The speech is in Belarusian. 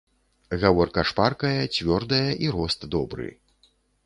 Гаворка шпаркая, цвёрдая і рост добры.